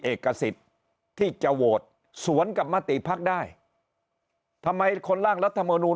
เอกสิทธิ์ที่จะโหวตสวนกับมติภักดิ์ได้ทำไมคนร่างรัฐมนูล